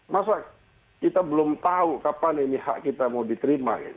masa kita belum tahu kapan ini hak kita mau diterima